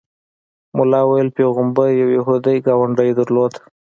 ملا ویل پیغمبر یو یهودي ګاونډی درلود.